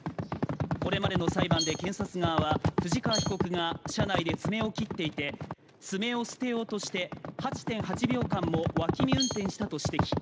これまでの裁判で検察側は藤川被告が車内で爪を切っていて爪を捨てようとして８．８秒間もわき見運転したと指摘